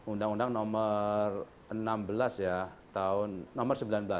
undang undang nomor enam belas ya tahun nomor sembilan belas